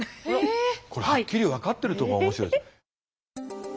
これはっきり分かってるとこが面白いですね。